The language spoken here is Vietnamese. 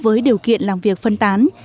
với điều kiện làm việc phân tán